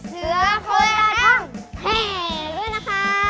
เสือโคลดาท่องแห่งด้วยนะคะ